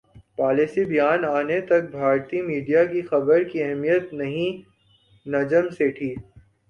policy بیان انے تک بھارتی میڈیا کی خبر کی اہمیت نہیںنجم سیٹھی